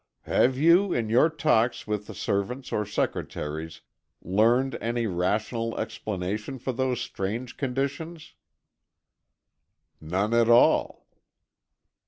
"Have you, in your talks with the servants or secretaries, learned any rational explanation for those strange conditions?" "None at all."